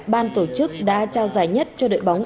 ban tổ chức đã trao giải nhất cho đội bóng